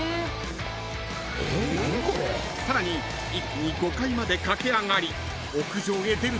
［さらに一気に５階まで駆け上がり屋上へ出ると］